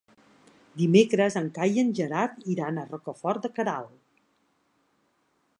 Dimecres en Cai i en Gerard iran a Rocafort de Queralt.